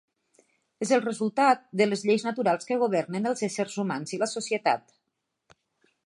És el resultat de les lleis naturals que governen els éssers humans i la societat.